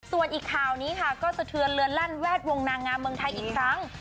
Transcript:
ส่วนอีกข่าวนี้ค่ะก็สะเทือนเรือนลั่นแวดวงนางงามเมืองไทยอีกครั้ง